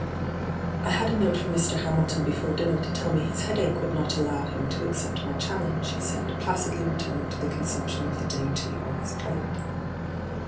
'I had a note from Mr. Hamilton before dinner to tell me his headache would not allow hyGoo>^lc ENTRAPPED 157 him to accept my challenge,' he said, placidly returniog to the consumption of the dainty on his plate.